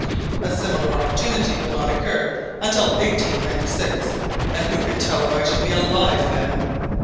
A similar opportunity will not occur until 1896, and who can tell if I shall be alive then?"